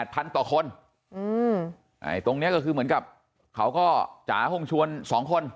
๘๐๐๐ต่อคนตรงนี้ก็คือเหมือนกับเขาก็จ๋าห้องชวน๒คน